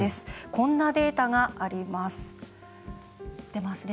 こんなデータがあります。